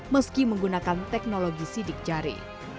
meski menggunakan teknologi sidik jari